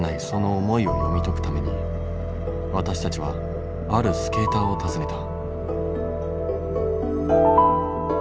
その思いを読み解くために私たちはあるスケーターを訪ねた。